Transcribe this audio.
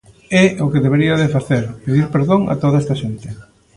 É o que debería de facer, pedir perdón a toda esta xente.